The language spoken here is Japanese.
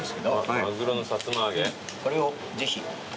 これをぜひ。